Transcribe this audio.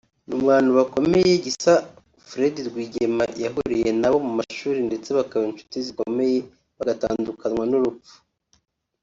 Mu bantu bakomeye Gisa Fred Rwigema yahuriye nabo mu mashuri ndetse bakaba inshuti zikomeye bagatandukanywa n’urupfu